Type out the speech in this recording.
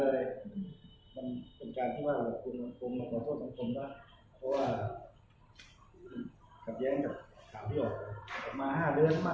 เราไม่มีเวลาให้เขาหรือกว่า